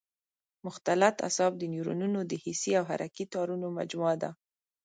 مختلط اعصاب د نیورونونو د حسي او حرکي تارونو مجموعه ده.